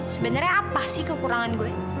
sebenarnya apa sih kekurangan gue